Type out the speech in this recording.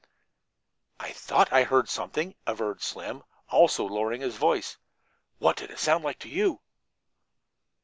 "I thought I heard something," averred Slim, also lowering his voice. "What did it sound like to you?"